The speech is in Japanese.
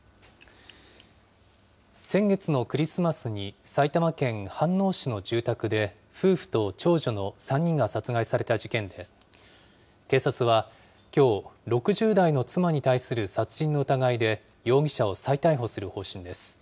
先月のクリスマスに、埼玉県飯能市の住宅で夫婦と長女の３人が殺害された事件で、警察はきょう、６０代の妻に対する殺人の疑いで、容疑者を再逮捕する方針です。